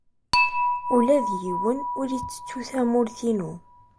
Ula d yiwen ur ittettu tamurt-inu.